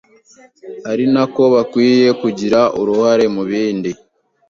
ari na ko bakwiye kugira uruhare mubindi